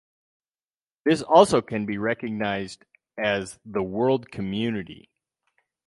This also can be recognized as the World Community.